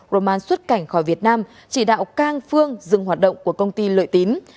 roman xuất cảnh khỏi việt nam chỉ đạo cang phương dừng hoạt động của công ty lợi tín